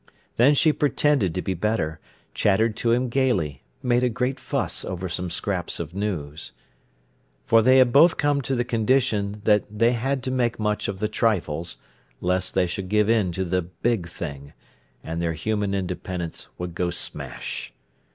Then she pretended to be better, chattered to him gaily, made a great fuss over some scraps of news. For they had both come to the condition when they had to make much of the trifles, lest they should give in to the big thing, and their human independence would go smash.